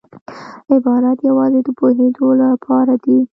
عبارت یوازي د پوهېدو له پاره دئ.